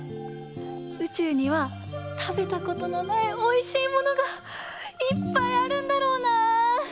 うちゅうにはたべたことのないおいしいものがいっぱいあるんだろうな！